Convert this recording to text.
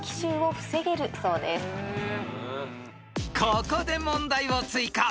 ［ここで問題を追加。